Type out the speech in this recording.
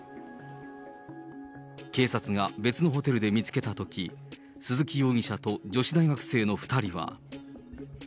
警察が別のホテルで見つけたとき、鈴木容疑者と女子大学生の２人は。